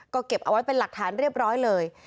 ก็เก็บเอาไว้เป็นหลักฐานเรียบร้อยเลย